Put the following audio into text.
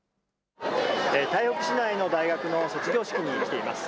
台北市内の大学の卒業式に来ています。